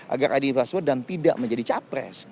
agar ini diperasakan dan tidak menjadi capres